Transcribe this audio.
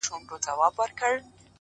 بصیرتونه شو ړاندۀ لۀ زږره